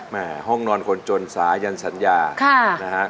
แม่ห้องนอนคนจนสายันสัญญานะฮะ